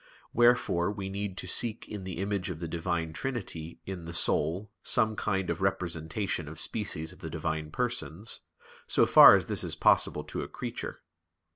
Wherefore we need to seek in the image of the Divine Trinity in the soul some kind of representation of species of the Divine Persons, so far as this is possible to a creature.